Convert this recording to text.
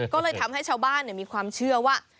ก็เลยทำให้ชาวบ้านมีความเชื่อว่า